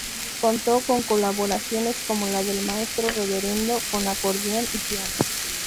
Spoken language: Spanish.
Contó con colaboraciones como la del Maestro Reverendo con acordeón y piano.